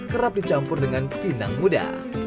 kerap dicampur dengan pinang muda